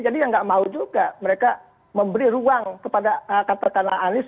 jadi yang tidak mau juga mereka memberi ruang kepada kata kata anis